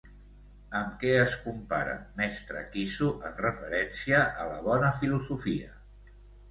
Amb què es compara Mestre Quissu en referència a la bona filosofia?